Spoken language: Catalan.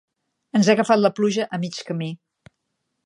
Ens ha agafat la pluja a mig camí.